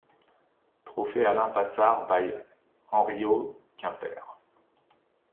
Trophée Alain Passard by Henriot, Quimper.